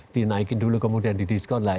dinaikin dulu kemudian di diskon lah